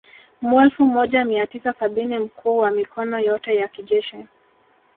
Mwelfu moja mia tisa sabini mkuu wa mikono yote ya kijeshi